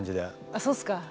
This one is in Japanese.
あそうっすか？